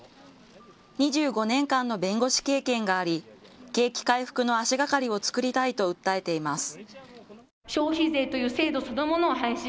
２５年間の弁護士経験があり、景気回復の足がかりをつくりたいと訴えています。